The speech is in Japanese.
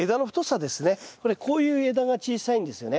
これこういう枝が小さいんですよね。